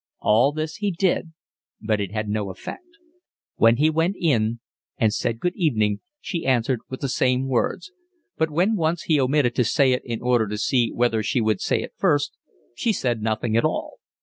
All this he did, but it had no effect. When he went in and said good evening she answered with the same words, but when once he omitted to say it in order to see whether she would say it first, she said nothing at all.